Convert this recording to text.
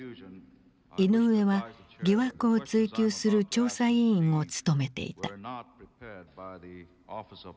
イノウエは疑惑を追及する調査委員を務めていた。